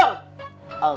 hei rimba bangun